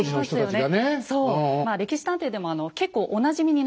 「歴史探偵」でも結構おなじみになってまいりました